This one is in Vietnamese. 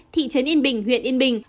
thị trấn yên bình huyện yên bình